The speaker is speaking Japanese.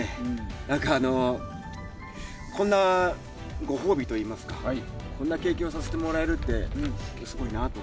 なんか、こんなご褒美といいますか、こんな経験をさせてもらえるってすごいなーと。